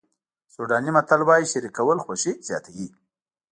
سوډاني متل وایي شریکول خوښي زیاتوي.